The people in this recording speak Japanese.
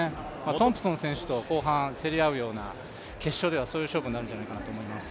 トンプソン選手と後半競り合うような、決勝ではそういう勝負になると思います。